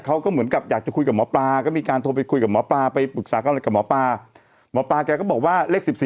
เขาก็เหมือนกับอยากจะคุยกับหมอปลาก็มีการทิดคุยกับหมอปลา